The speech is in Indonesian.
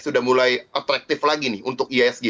sudah mulai atraktif lagi nih untuk ihsg